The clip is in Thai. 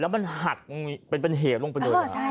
แล้วมันหักเป็นเหลวงไปเลย